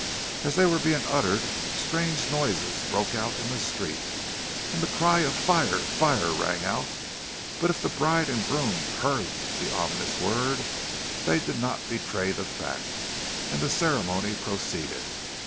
As they were being uttered, strange noises broke out in the street, and the cry of "Fire! fire!" rang out; but if the bride and bridegroom heard the ominous word they did not betray the fact, and the ceremony proceeded.